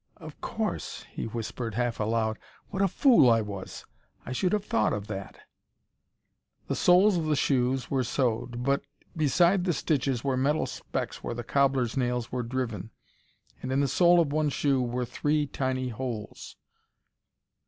"Of course," he whispered, half aloud. "What a fool I was! I should have thought of that." The soles of the shoes were sewed, but, beside the stitches were metal specks, where cobbler's nails were driven. And in the sole of one shoe were three tiny holes.